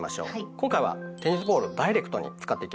今回はテニスボールをダイレクトに使っていきますよ。